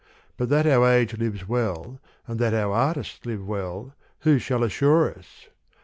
But that our age lives well, and that our artists live well, who shall assure us